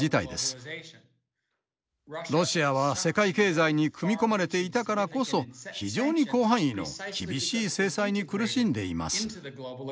ロシアは世界経済に組み込まれていたからこそ非常に広範囲の厳しい制裁に苦しんでいます。